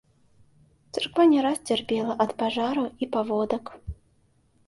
Царква не раз цярпела ад пажараў і паводак.